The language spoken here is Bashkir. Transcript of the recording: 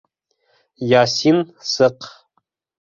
Ясин сыҡ.